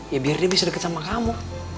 ya biar dia bisa dekat sama kamu